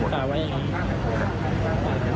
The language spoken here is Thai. กลายไว้อย่างนี้